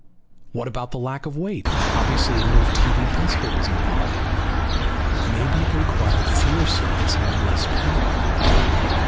What about the lack of weight? Obviously a new TV principle was involved. Maybe it required fewer circuits and less power.